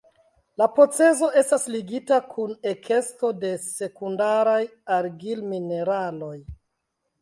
La procezo estas ligita kun ekesto de sekundaraj argil-mineraloj.